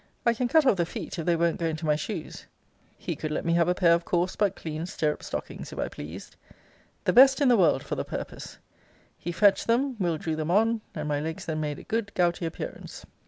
I can cut off the feet, if they won't go into my shoes. He could let me have a pair of coarse, but clean, stirrup stockings, if I pleased. The best in the world for the purpose. He fetch'd them. Will. drew them on; and my legs then made a good gouty appearance.